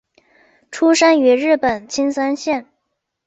出身于日本青森县。